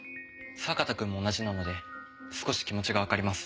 坂田くんも同じなので少し気持ちがわかります。